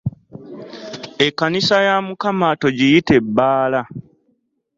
Ekkanisa ya Mukama togiyita ebbala.